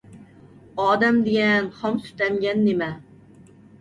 ئادەم دېگەن خام سۈت ئەمگەن نېمە.